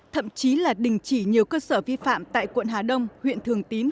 thậm chí là đình chỉ nhiều cơ sở vi phạm tại quận hà đông huyện thường tín